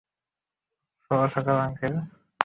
শুভ সকাল, আঙ্কেল।